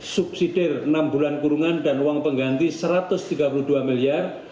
subsidi enam bulan kurungan dan uang pengganti satu ratus tiga puluh dua miliar